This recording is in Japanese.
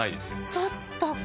ちょっと。